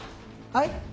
はい？